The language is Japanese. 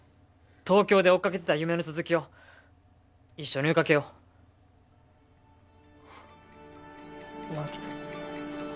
東京で追っかけてた夢の続きを一緒に追いかけようマキト